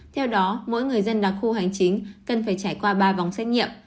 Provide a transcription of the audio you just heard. theo đó mỗi người dân đặc khu hành chính cần phải trải qua ba vòng xét nghiệm